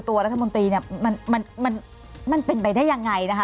ตัวรัฐมนตรีเนี่ยมันเป็นไปได้ยังไงนะคะ